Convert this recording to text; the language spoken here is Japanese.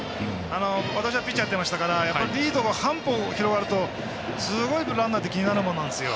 私はピッチャーやってましたからリードが半歩広がるとすごいランナーって気になるものなんですよ。